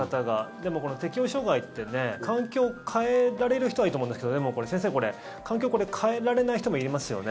でも、この適応障害って環境を変えられる人はいいと思うんですけどでも先生環境を変えられない人もいますよね。